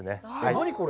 何これ。